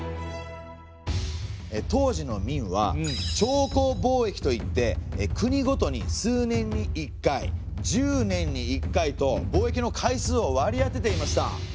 当時の明は朝貢貿易といって国ごとに数年に１回１０年に１回と貿易の回数を割り当てていました。